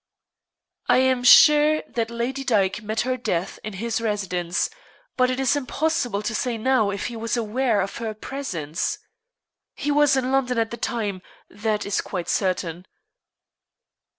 "I am sure that Lady Dyke met her death in his residence; but it is impossible to say now if he was aware of her presence. He was in London at the time, that is quite certain."